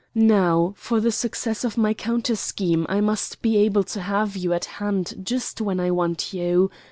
Now, for the success of my counter scheme, I must be able to have you at hand just when I want you.